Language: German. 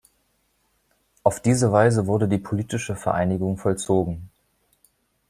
Auf diese Weise wurde die politische Vereinigung vollzogen.